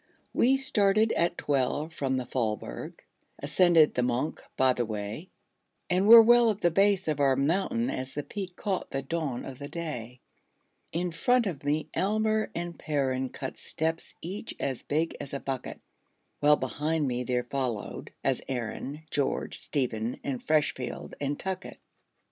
We started at twelve from the Faulberg; Ascended the Monch by the way; And were well at the base of our mountain, As the peak caught the dawn of the day. In front of me Almer and Perren Cut steps, each as big as a bucket; While behind me there followed, as Herren, George, Stephen, and Freshfield, and Tuckett.